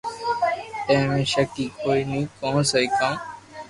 اي مي ݾڪ ھي ڪوئي ني ڪو سھي ڪاو